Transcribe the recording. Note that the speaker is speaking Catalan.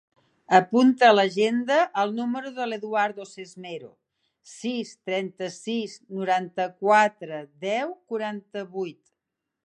Apunta a l'agenda el número de l'Eduardo Sesmero: sis, trenta-sis, noranta-quatre, deu, quaranta-vuit.